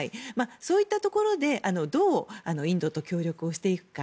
そういうところでどうインドと協力をしていくか。